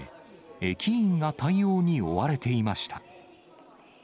駅員が対応に追われていました。